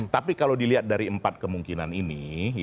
tapi kalau dilihat dari empat kemungkinan ini